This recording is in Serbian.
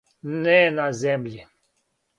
Не на земљи.